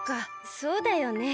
そうだよね。